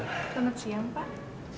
selamat siang pak